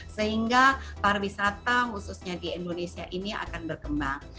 sehingga pariwisata khususnya di indonesia ini akan berkembang